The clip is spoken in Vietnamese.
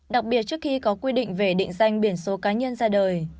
đặc biệt trước khi có quy định về định danh biển số cá nhân ra đời